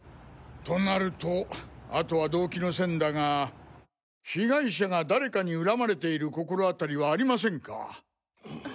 となるとあとは動機の線だが被害者が誰かに恨まれている心当たりはありませんか？